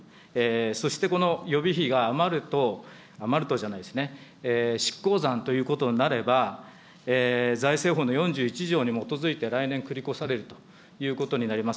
そしてこの予備費が余ると、余るとじゃないですね、執行残ということになれば財政法の４１条に基づいて来年繰り越されるということになります。